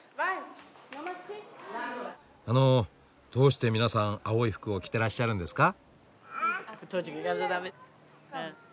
あのどうして皆さん青い服を着てらっしゃるんですか？